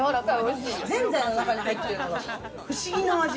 ぜんざいの中に入っているのが不思議な味。